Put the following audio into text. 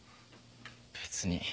別に。